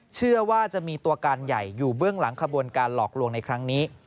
เชื่อว่าจะมีตัวการใหญ่อยู่เบื้องหลังขบวนการหลอกลวงในครั้งนี้